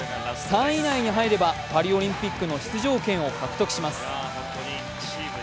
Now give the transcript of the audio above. ３位以内に入れば、パリオリンピックの出場権を獲得します。